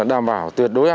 anh thổi đi ạ